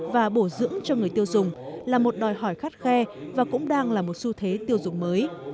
và bổ dưỡng cho người tiêu dùng là một đòi hỏi khắt khe và cũng đang là một xu thế tiêu dụng mới